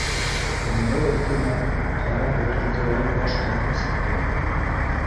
Мендәр өҫтөнә ҡара бөтөркәле баш ҡалҡып сыҡты: